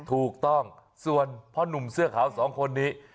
ถูกต้องส่วนพ่อนุ่มเสื้อขาวสองคนนี้